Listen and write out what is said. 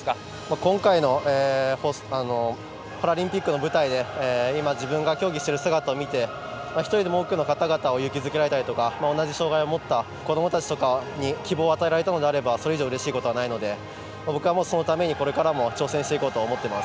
今回のパラリンピックの舞台で今、自分が競技している姿を見て一人でも多くのかたがたを勇気づけられたり同じ障がいを持った子どもたちに希望を与えられたのであればそれ以上うれしいことはないので僕は、そのためにこれからも挑戦していこうと思っています。